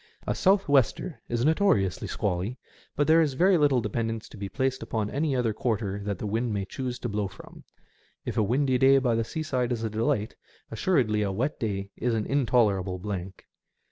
A south wester is notoriously squally, but there is very little dependence to be placed upon any other quarter that the wind may choose to blow from. If a windy day by the seaside is a delight, assuredly a wet day is an intolerable blank.